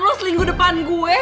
lu selingguh depan gue